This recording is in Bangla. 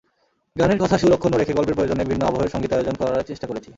গানের কথা-সুর অক্ষুণ্ন রেখে গল্পের প্রয়োজনে ভিন্ন আবহের সংগীতায়োজন করার চেষ্টা করেছি।